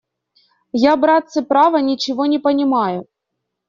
Я, братцы, право, ничего не понимаю!..